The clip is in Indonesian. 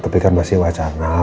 tapi kan masih wajar ma belum pasti